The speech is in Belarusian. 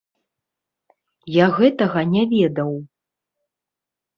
Я гэтага не ведаў.